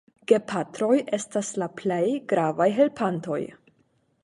Gepatroj estas la plej gravaj helpantoj.